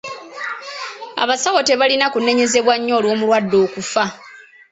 Abasawo tebalina kunenyezebwa nnyo olw'omulwadde okufa.